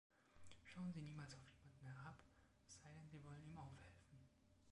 Schauen Sie niemals auf jemanden herab, es sei denn, Sie wollen ihm aufhelfen.